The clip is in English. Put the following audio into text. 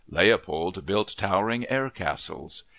Leopold built towering air castles.